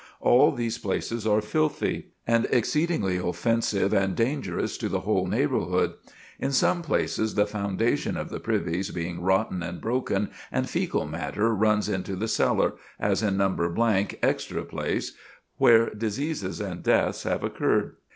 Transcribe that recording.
All these places are filthy, and exceedingly offensive and dangerous to the whole neighborhood; in some places the foundation of the privies being rotten and broken, and fæcal matter runs into the cellar, as in No. 'Extra Place,' where diseases and deaths have occurred.